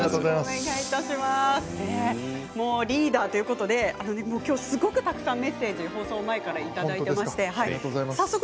リーダーということで今日はすごくたくさんメッセージを放送前からいただいています。